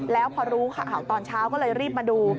แล้วพอรู้ข่าวตอนเช้าก็เลยรีบมาดู